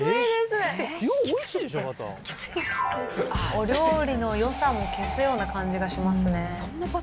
お料理のよさも消すような感じがしますね。